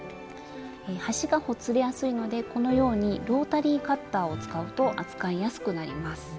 端がほつれやすいのでこのようにロータリーカッターを使うと扱いやすくなります。